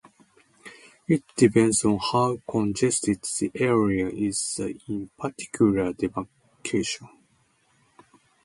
It depends on how congested the area is in the particular demarcation.